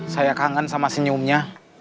saya kangen sama senyumnya